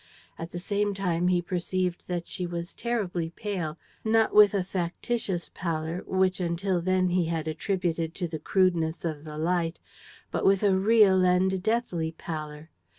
At the same time he perceived that she was terribly pale, not with a factitious pallor, which until then he had attributed to the crudeness of the light, but with a real and deathly pallor.